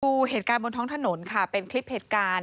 ดูเหตุการณ์บนท้องถนนค่ะเป็นคลิปเหตุการณ์